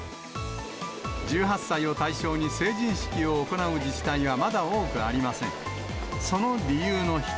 １８歳を対象に成人式を行う自治体はまだ多くありません。